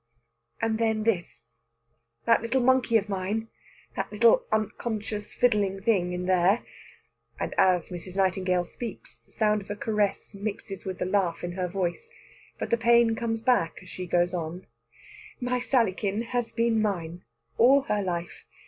"And then this. That little monkey of mine that little unconscious fiddling thing in there" and as Mrs. Nightingale speaks, the sound of a caress mixes with the laugh in her voice; but the pain comes back as she goes on "My Sallykin has been mine, all her life!